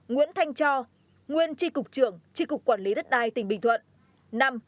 bốn nguyễn thanh cho nguyên tri cục trưởng tri cục quản lý đất đai tỉnh bình thuận